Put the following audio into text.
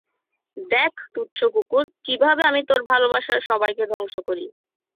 দেখ, তুচ্ছ কুকুর, কীভাবে আমি তোর ভালোবাসার সবাইকে ধ্বংস করি।